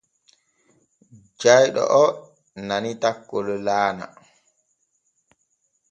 Jayɗo oo nani takkol laana.